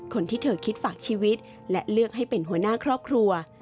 คนที่เธอคิดฝากชีวิตและเลือกให้เป็นหัวหน้าครอบครัว